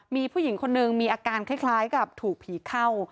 มีผู้หญิงคนนึงมีอาการคล้ายกับถูกผีเข้า